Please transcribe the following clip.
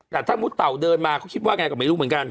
แต่ถ้ามีต่าวเดินมาเขาคิดว่าไงกับไหมลูกเหมือนกัน